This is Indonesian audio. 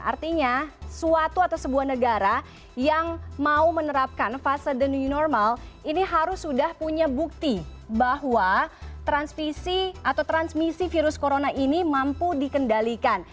artinya suatu atau sebuah negara yang mau menerapkan fase the new normal ini harus sudah punya bukti bahwa transmisi atau transmisi virus corona ini mampu dikendalikan